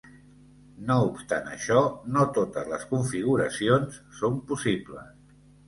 No obstant això, no totes les configuracions són possibles.